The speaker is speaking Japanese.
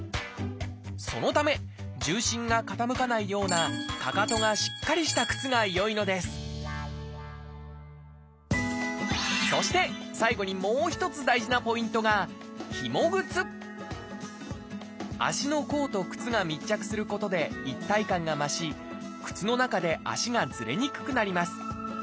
そのため重心が傾かないようなかかとがしっかりした靴が良いのですそして最後にもう一つ大事なポイントが足の甲と靴が密着することで一体感が増し靴の中で足がずれにくくなります